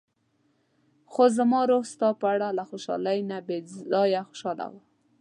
خو زما روح ستا په اړه له خوشحالۍ نه بې ځايه خوشاله و.